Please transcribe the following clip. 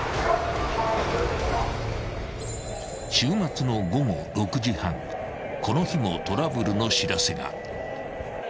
［週末の午後６時半この日もトラブルの知らせが］